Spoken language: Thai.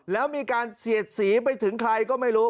แล้วมีการเสียดสีไปถึงใครก็ไม่รู้